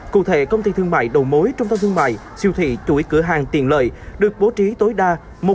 cụ thể công ty thương mại đầu mối trung tâm thương mại siêu thị chuỗi cửa hàng tiện lợi được bố trí tối đa